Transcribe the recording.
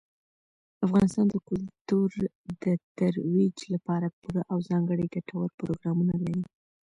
افغانستان د کلتور د ترویج لپاره پوره او ځانګړي ګټور پروګرامونه لري.